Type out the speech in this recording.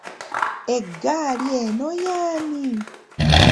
Eggali eno y’ani?